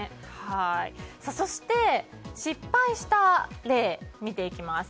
そして失敗した例、見ていきます。